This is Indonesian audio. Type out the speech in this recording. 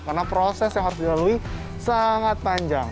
karena proses yang harus dilalui sangat panjang